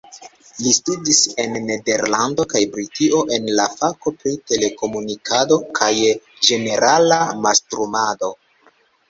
Li studis en Nederlando kaj Britio en la fakoj pri telekomunikado kaj ĝenerala mastrumado.